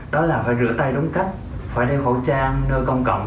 đó là phải rửa tay đúng cách phải đeo khẩu trang nơi công cộng